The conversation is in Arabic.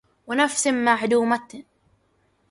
وَنَفَسٍ مَعْدُومٍ